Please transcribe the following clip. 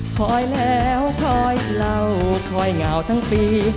คอยแล้วคอยเล่าคอยเหงาทั้งปี